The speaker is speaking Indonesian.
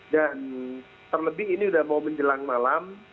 dan terlebih ini sudah mau menjelang malam